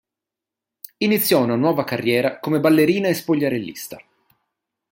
Iniziò una nuova carriera come ballerina e spogliarellista.